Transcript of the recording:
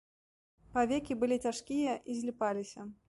Павекі былі цяжкія і зліпаліся.